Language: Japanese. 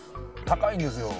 高いんですよ」